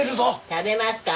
食べますか？